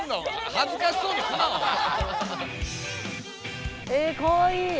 恥ずかしそうにすなお前。えかわいい！